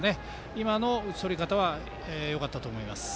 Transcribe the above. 今の打ち取り方はよかったと思います。